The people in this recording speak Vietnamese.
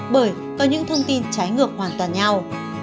bởi có những thông tin trái ngược hoàn toàn nhau